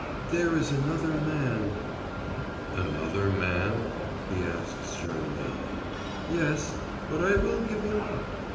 "There is another man " "Another man?" he asked sternly. "Yes, but I will give him up.